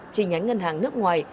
chi nhánh ngân hàng nước ngoài